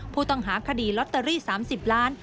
ผู้ต้องหาคดีลอตเตอรี่๓๐ล้าน